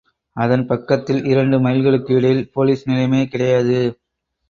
அதன் பக்கத்தில் இரண்டு மைல்களுக்கு இடையில் போலிஸ் நிலையமே கிடையாது.